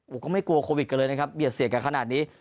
ก็ไม่กลัวโควิดกันเลยนะครับเบียดเสียดกันขนาดนี้